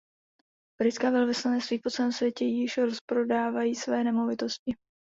Britská velvyslanectví po celém světě již rozprodávají své nemovitosti.